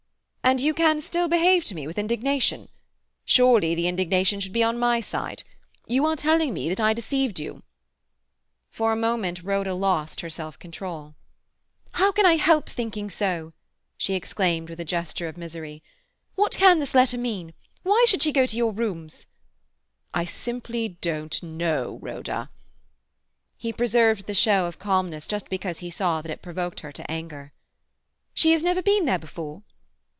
"And you can still behave to me with indignation? Surely the indignation should be on my side. You are telling me that I deceived you." For a moment Rhoda lost her self control. "How can I help thinking so?" she exclaimed, with a gesture of misery. "What can this letter mean? Why should she go to your rooms?" "I simply don't know, Rhoda." He preserved the show of calmness just because he saw that it provoked her to anger. "She has never been there before?"